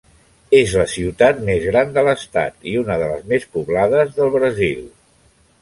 És la ciutat més gran de l'estat i una de les més poblades del Brasil.